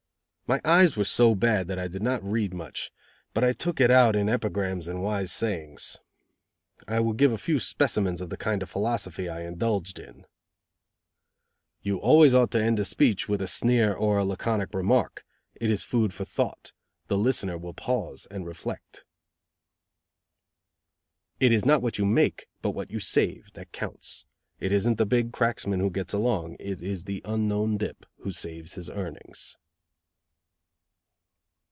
My eyes were so bad that I did not read much, but I took it out in epigrams and wise sayings. I will give a few specimens of the kind of philosophy I indulged in. "You always ought to end a speech with a sneer or a laconic remark. It is food for thought. The listener will pause and reflect." "It is not what you make, but what you save, that counts. It isn't the big cracksman who gets along. It is the unknown dip who saves his earnings."